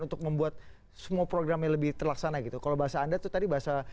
untuk membuat semua program yang lebih terlaksana gitu kalau bahasa anda tuh tadi bahasa